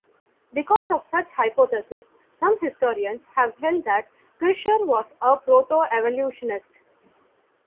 Because of such hypotheses, some historians have held that Kircher was a proto-evolutionist.